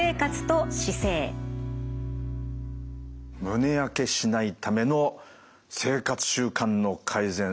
胸やけしないための生活習慣の改善。